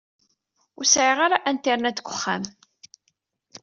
Ur sɛiɣ ara Internet deg uxxam.